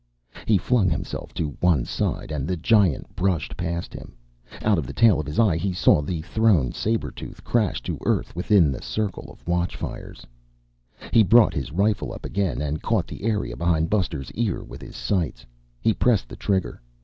He flung himself to one side and the giant brushed past him. Out of the tail of his eye, he saw the thrown saber tooth crash to Earth within the circle of the watchfires. He brought his rifle up again and caught the area behind Buster's ear within his sights. He pressed the trigger.